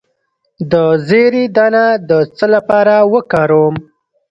د زیرې دانه د څه لپاره وکاروم؟